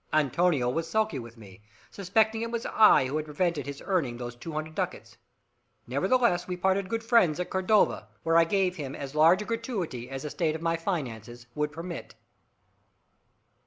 Antonio was sulky with me; suspecting it was I who had prevented his earning those two hundred ducats. Nevertheless, we parted good friends at Cordova, where I gave him as large a gratuity as the state of my finances would permit.